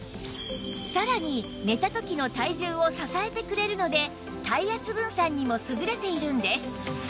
さらに寝た時の体重を支えてくれるので体圧分散にも優れているんです